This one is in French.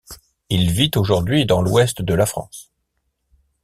Il vit aujourd'hui dans l'Ouest de la France.